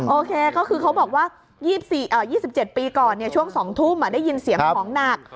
โอเคก็คือเขาบอกว่า๒๗ปีก่อนช่วง๒ทุ่มได้ยินเสียงของหนัก